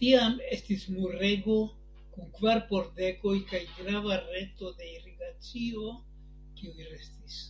Tiam estis murego kun kvar pordegoj kaj grava reto de irigacio kiuj restis.